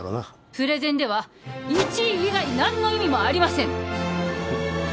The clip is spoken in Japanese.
プレゼンでは１位以外何の意味もありません！